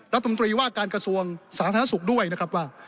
รัฐมนตรีว่าการกระทรวงสาธารณสุขด้วยนะครับว่า